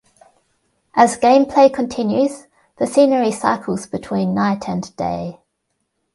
As game play continues, the scenery cycles between night and day.